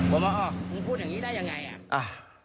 ผมว่าอ้อคุณพูดอย่างงี้ได้ยังไงอ่ะอ่า